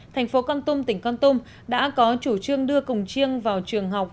thành phố con tum tỉnh con tum đã có chủ trương đưa cùng chiêng vào trường học